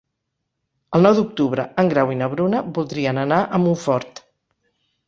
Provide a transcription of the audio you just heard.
El nou d'octubre en Grau i na Bruna voldrien anar a Montfort.